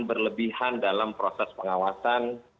berlebihan dalam proses pengawasan